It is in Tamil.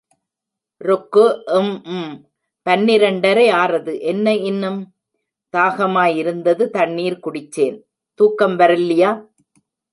ருக்கு! ம்ம்.. பன்னிரண்டரை ஆறது..... என்ன இன்னும்? தாகமாய் இருந்தது தண்ணீர் குடிச்சேன். தூக்கம் வரல்லியா?